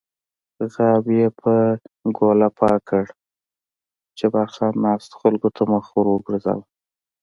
غاب یې په ګوله پاک کړ، جبار خان ناستو خلکو ته مخ ور وګرځاوه.